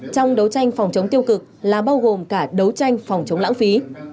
trong đấu tranh phòng chống tiêu cực là bao gồm cả đấu tranh phòng chống lãng phí